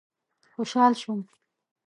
خوشحال شوم.